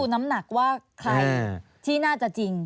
น้ำหนักว่าใครที่น่าจะจริง